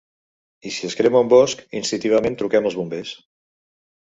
I si es crema un bosc, instintivament truquem als bombers.